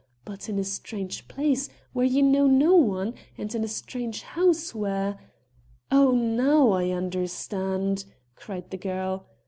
But in a strange place, where you know no one, and in a strange house where...." "Oh, now I understand," cried the girl.